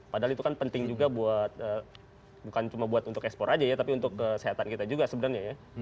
padahal itu kan penting juga buat bukan cuma buat untuk ekspor aja ya tapi untuk kesehatan kita juga sebenarnya ya